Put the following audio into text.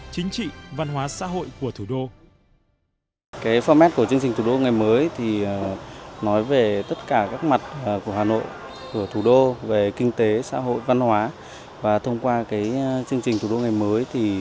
chính trị văn hóa xã hội của thủ đô